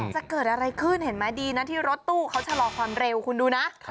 จะเกิดอะไรขึ้นเห็นไหมดีนะที่รถตู้เขาชะลอความเร็วคุณดูนะ